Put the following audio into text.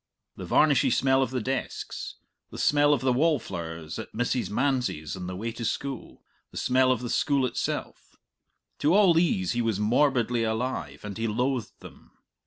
The varnishy smell of the desks, the smell of the wallflowers at Mrs. Manzie's on the way to school, the smell of the school itself to all these he was morbidly alive, and he loathed them.